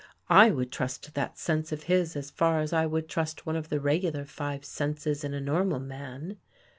I would trust that sense of his as far as I would trust one of the regular five senses in a normal man.